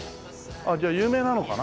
じゃあ有名なのかな？